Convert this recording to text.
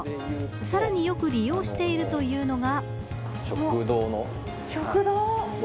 さらによく利用しているというのが。